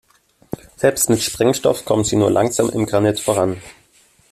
Selbst mit Sprengstoff kommen sie nur langsam im Granit voran.